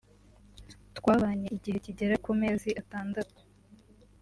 “ Twabanye igihe kigera ku mezi atandatu